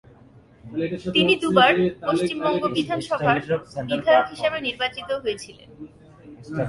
তিনি দুবার পশ্চিমবঙ্গ বিধানসভার বিধায়ক হিসেবে নির্বাচিত হয়েছিলেন।